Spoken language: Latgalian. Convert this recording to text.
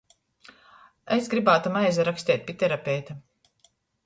Es grybātum aizaraksteit pi terapeita.